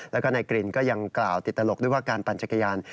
แล้วก็นายกรินก็ยังกล่าวติดตลกด้วยว่าการปั่นจักรยาน